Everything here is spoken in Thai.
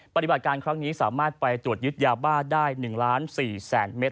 ปฏิบัติการครั้งนี้สามารถไปตรวจยึดยาบ้าได้๑ล้าน๔แสนเมตร